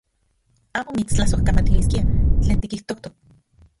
Amo mitstlasojkamatiliskia tlen tikijtojtok.